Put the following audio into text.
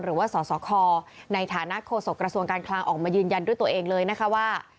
หรือว่าสสคในฐานะโฆษกระทรวงการคลังออกมายืนยันด้วยตัวเองเลยนะคะว่า